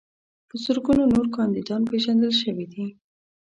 په زرګونو نور کاندیدان پیژندل شوي دي.